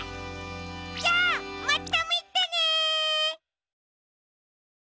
じゃあまたみてね！